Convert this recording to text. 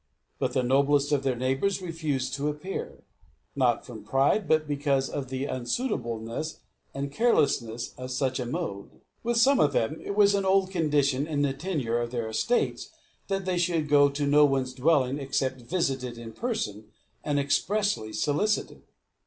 But the noblest of their neighbours refused to appear; not from pride, but because of the unsuitableness and carelessness of such a mode. With some of them it was an old condition in the tenure of their estates, that they should go to no one's dwelling except visited in person, and expressly solicited.